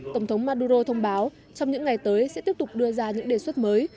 tổng thống maduro thông báo trong những ngày tới sẽ tiếp tục đưa ra những đề xuất mới